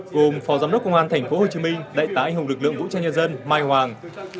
gồm phó giám đốc công an tp hcm đại tá anh hùng lực lượng vũ trang nhân dân mai hoàng